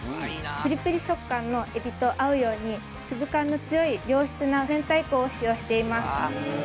プリプリ食感のエビと合うように粒感の強い良質な明太子を使用しています